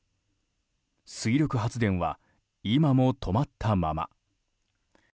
水力発電は今も止まったまま。